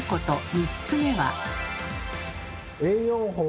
３つ目は。